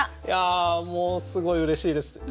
いやもうすごいうれしいです。